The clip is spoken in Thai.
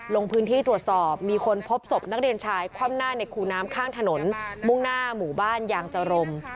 ลงพื้นที่ตรวจสอบมีคนพบศพนักเรียนชายคว่ำหน้าในคูน้ำข้างถนนมุ่งหน้าหมู่บ้านยางจรม